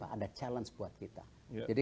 ada challenge buat kita jadi